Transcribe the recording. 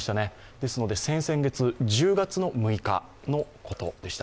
ですので先々月、１０月６日のことでした、